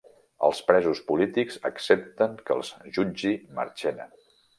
Els presos polítics accepten que els jutgi Marchena